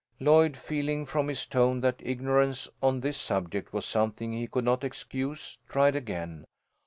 Lloyd, feeling from his tone that ignorance on this subject was something he could not excuse, tried again.